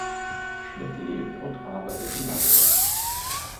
Schmidt lebt und arbeitet in Leipzig.